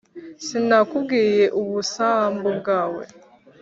sinakubwiye ubusambo bwawe!